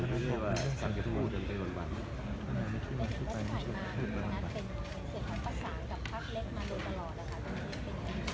ถ้าเรียกว่าสังเกตุภูมิจันทร์เป็นบรรวัณมันไม่ช่วยมาทุกปัน